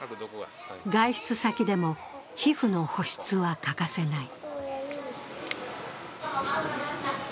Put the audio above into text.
外出先でも皮膚の保湿は欠かせない。